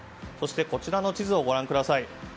こちらの地図をご覧ください。